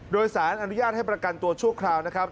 โดยสารอนุญาตให้ประกันตัวชั่วคราวนะครับ